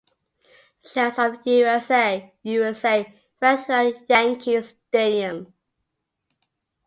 Chants of "U-S-A, U-S-A" rang throughout Yankee Stadium.